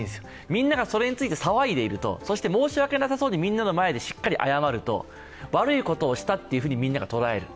みんながそれについて騒いでいると、そして申し訳なさそうにみんなの前でしっかり謝ると悪いことをしたとみんなが捉える。